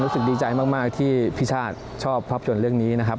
รู้สึกดีใจมากที่พี่ชาติชอบภาพยนตร์เรื่องนี้นะครับ